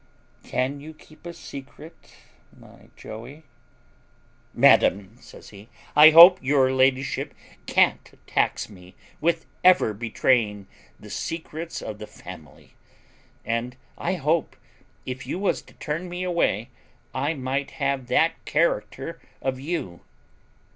Can you keep a secret, my Joey?" "Madam," says he, "I hope your ladyship can't tax me with ever betraying the secrets of the family; and I hope, if you was to turn me away, I might have that character of you."